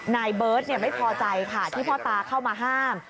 นายเบิร์ตไม่พอใจค่ะที่พ่อตาเข้ามาห้าม